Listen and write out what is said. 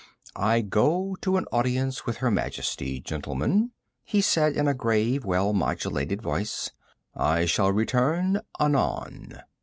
"I go to an audience with Her Majesty, gentlemen," he said in a grave, well modulated voice. "I shall return anon."